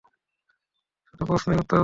শুধু প্রশ্নের উত্তর দাও।